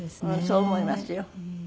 そう思いますよ。